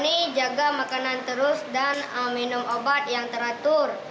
ini jaga makanan terus dan minum obat yang teratur